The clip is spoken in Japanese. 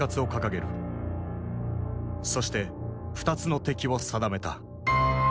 そして２つの敵を定めた。